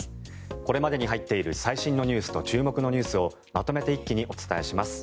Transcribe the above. これまでに入っている最新ニュースと注目ニュースをまとめて一気にお伝えします。